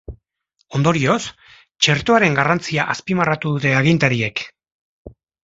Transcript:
Ondorioz, txertoaren garrantzia azpimarratu dute agintariek.